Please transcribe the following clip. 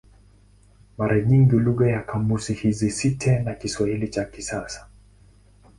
Mara nyingi lugha ya kamusi hizi si tena Kiswahili cha kisasa.